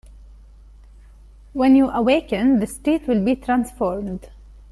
When you awaken, the street will be transformed.